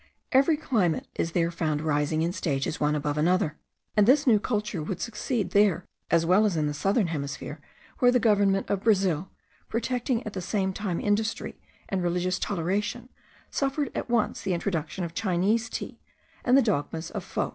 Every climate is there found rising in stages one above another; and this new culture would succeed there as well as in the southern hemisphere, where the government of Brazil, protecting at the same time industry and religious toleration, suffered at once the introduction of Chinese tea and of the dogmas of Fo.